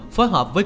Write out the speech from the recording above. phối hợp với